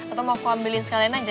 atau mau ambilin sekalian aja